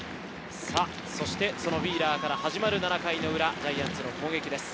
そのウィーラーから始まる７回の裏、ジャイアンツの攻撃です。